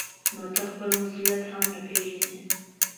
نو ته خپل مسؤلیت هم نه پېژنې.